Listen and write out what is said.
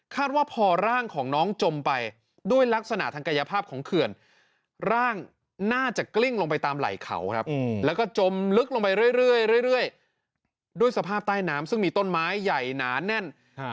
ว่าพอร่างของน้องจมไปด้วยลักษณะทางกายภาพของเขื่อนร่างน่าจะกลิ้งลงไปตามไหล่เขาครับแล้วก็จมลึกลงไปเรื่อยด้วยสภาพใต้น้ำซึ่งมีต้นไม้ใหญ่หนาแน่น